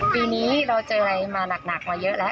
ปีนี้เราเจออะไรมาหนักมาเยอะแล้ว